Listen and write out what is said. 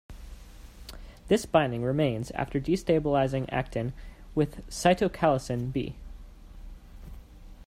This binding remains after destabilizing actin with cytochalasin B.